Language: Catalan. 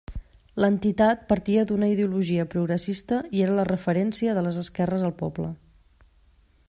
L'entitat partia d'una ideologia progressista i era la referència de les esquerres al poble.